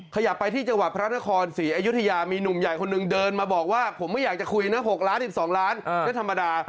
ขยับไปที่จังหวัดพระนครศรีอยุธยามีหนุ่มใหญ่คนหนึ่งเดินมาบอกว่าผมไม่อยากจะคุยนะ๖ล้าน๑๒ล้านไม่ธรรมดา